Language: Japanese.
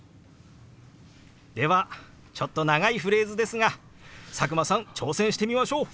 ではちょっと長いフレーズですが佐久間さん挑戦してみましょう！